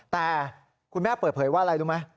แต่คุณแม่เปิดเผยว่าอะไรรู้ไหม